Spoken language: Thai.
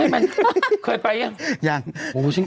ไม่เคยไปหรือยัง